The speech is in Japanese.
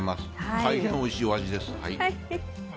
大変おいしいお味です。